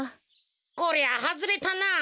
こりゃはずれたな。